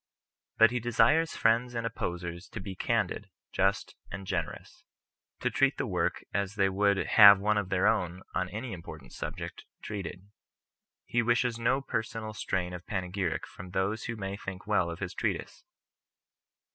But he desires friends and op posers to bo candid, just, and generous; to treat the work as they would have one of their own (on any im portant subject) treated. He wishes no personal strain of panegyric from those who may think well of his Treatise.